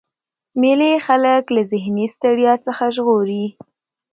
مېلې خلک له ذهني ستړیا څخه ژغوري.